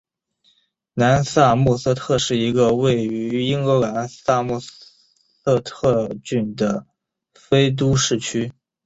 南萨默塞特是一个位于英格兰萨默塞特郡的非都市区。